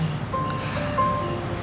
kamu harus berdoa